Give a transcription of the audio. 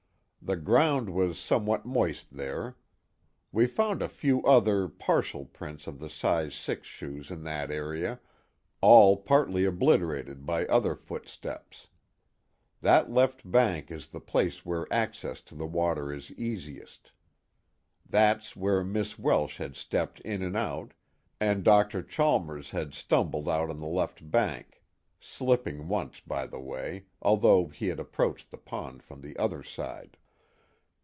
The ground was somewhat moist there. We found a few other, partial prints of the size six shoes in that area, all partly obliterated by other footsteps. That left bank is the place where access to the water is easiest. That's where Miss Welsh had stepped in and out, and Dr. Chalmers had stumbled out on the left bank, slipping once by the way, although he had approached the pond from the other side."